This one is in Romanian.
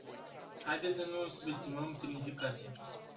Haideți să nu îi subestimăm semnificația.